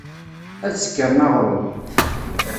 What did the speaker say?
Ad sekren aɣṛum.